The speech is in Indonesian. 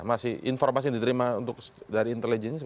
masih informasi yang diterima untuk dari intelligence